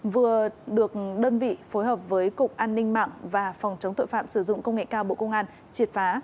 vừa được đơn vị phối hợp với cục an ninh mạng và phòng chống tội phạm sử dụng công nghệ cao bộ công an triệt phá